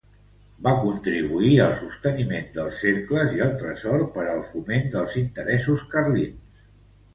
Va contribuir al sosteniment dels cercles i al tresor per al foment dels interessos carlins.